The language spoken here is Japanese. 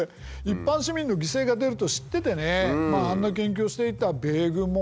一般市民の犠牲が出ると知っててねあんな研究をしていた米軍もまたひどい。